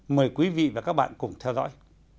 mời quý vị và các bạn cùng theo dõi